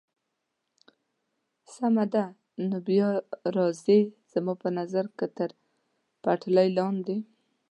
سمه ده، نو بیا راځئ، زما په نظر که تر پټلۍ لاندې.